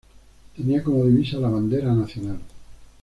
Tenía como divisa la bandera nacional.